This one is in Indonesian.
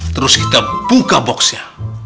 terus kita buka boxnya